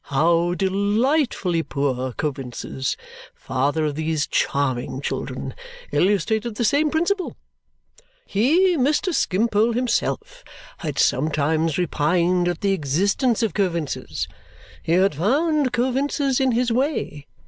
How delightfully poor Coavinses (father of these charming children) illustrated the same principle! He, Mr. Skimpole, himself, had sometimes repined at the existence of Coavinses. He had found Coavinses in his way.